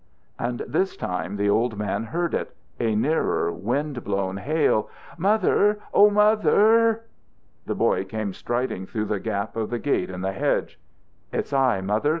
"_ And this time the old man heard it, a nearer, wind blown hail. "Mother! Oh, Mother!" The boy came striding through the gap of the gate in the hedge. "It's I, Mother!